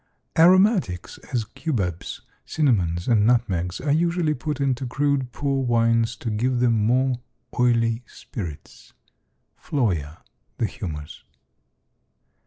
Aromatics, as cubebs, cinnamons and nutmegs, are usually put into crude poor wines to give them more oily spirits.—Floyer, "The Humors."